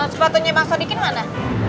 sepatunya bang sodiki mana